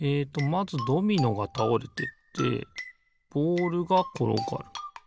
まずドミノがたおれてってボールがころがる。